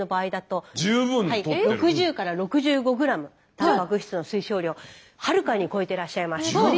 たんぱく質の推奨量はるかに超えてらっしゃいます。